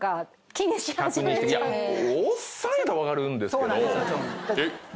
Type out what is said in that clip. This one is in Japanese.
おっさんやったら分かるんですけど。